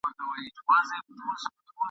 مرغکۍ دلته ګېډۍ دي د اغزیو !.